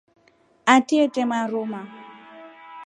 Atri etre maruma.